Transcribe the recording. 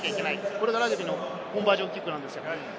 これがラグビーのコンバージョンキックなんです。